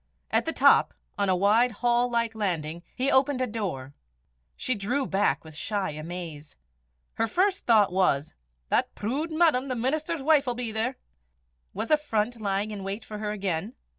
At the top, on a wide hall like landing, he opened a door. She drew back with shy amaze. Her first thought was "That prood madam, the minister's wife, 'ill be there!" Was affront lying in wait for her again?